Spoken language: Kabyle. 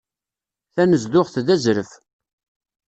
Tanezduɣt d azref.